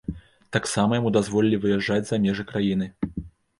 Таксама яму дазволілі выязджаць за межы краіны.